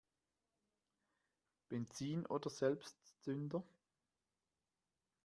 Benzin oder Selbstzünder?